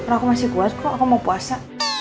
aku masih kuat kok aku mau puasa